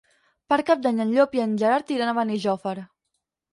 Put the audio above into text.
Per Cap d'Any en Llop i en Gerard iran a Benijòfar.